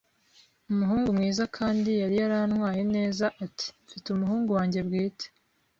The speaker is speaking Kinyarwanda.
umuhungu mwiza kandi yari yarantwaye neza. Ati: "Mfite umuhungu wanjye bwite."